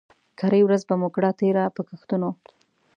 کرۍ ورځ به مو کړه تېره په ګښتونو